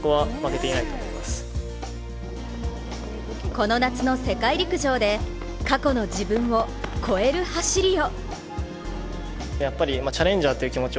この夏の世界陸上で過去の自分を超える走りを。